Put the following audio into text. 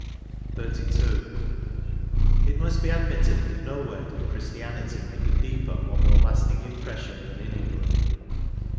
64 XXXII. " It must be admitted that nowhere did Chris tianity make a deeper or more lasting impression than in England.